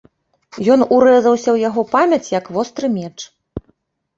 Ён урэзаўся ў яго памяць, як востры меч.